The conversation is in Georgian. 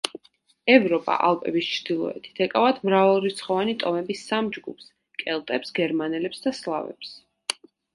ევროპა ალპების ჩრდილოეთით, ეკავათ მრავალრიცხოვანი ტომების სამ ჯგუფს: კელტებს, გერმანელებს და სლავებს.